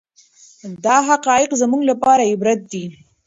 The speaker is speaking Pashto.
دا حقایق زموږ لپاره عبرت دي.